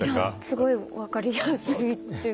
すごい分かりやすいっていうか。